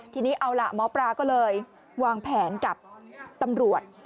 ทีนี้เอาล่ะหมอปลาก็เลยวางแผนกับตำรวจ